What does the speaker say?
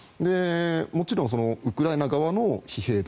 もちろんウクライナ側の疲弊度